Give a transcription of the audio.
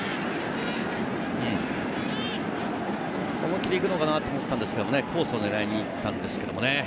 思い切り行くのかなと思ったんですが、コースを狙いに行ったんですけどね。